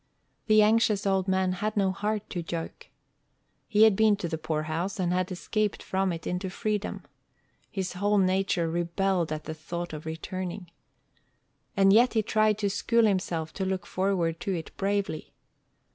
The anxious old man had no heart to joke. He had been to the poorhouse, and had escaped from it into freedom. His whole nature rebelled at the thought of returning. And yet he tried to school himself to look forward to it bravely.